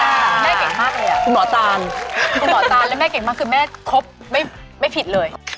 คุณหมอตาลแล้วแม่เก่งมากคือแม่ครบไม่ผิดเลย